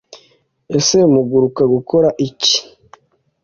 ese muguruka gukora iki!